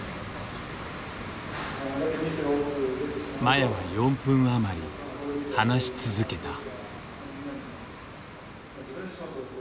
麻也は４分余り話し続けた。